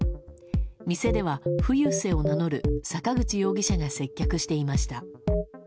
店では、冬瀬を名乗る坂口容疑者が接客していました。